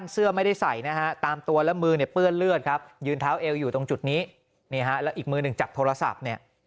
เจออยู่ตรงจุดนี้แล้วอีกมือหนึ่งจับโทรศัพท์